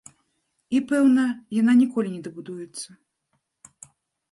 І, пэўна, яна ніколі не дабудуецца.